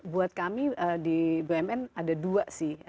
buat kami di bumn ada dua sih